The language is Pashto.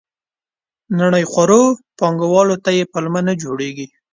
نړیخورو پانګوالو ته یې پلمه نه جوړېږي.